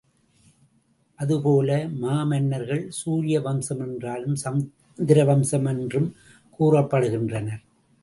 அது போல மா மன்னர்கள் சூரிய வம்சம் என்றும், சந்திர வம்சம் என்றும் கூறப்படுகின்றனர்.